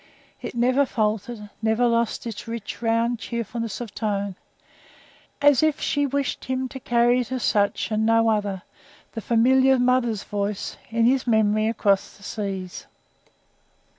It never faltered never lost its rich, round, cheerfulness of tone; as if she wished him to carry it as such, and no other the familiar mother's voice in his memory across the seas.